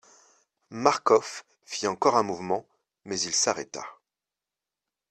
Marcof fit encore un mouvement, mais il s'arrêta.